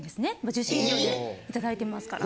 受信料で頂いてますから。